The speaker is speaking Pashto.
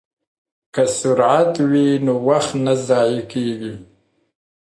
که سرعت وي نو وخت نه ضایع کیږي.